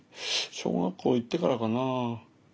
小学校行ってからかな？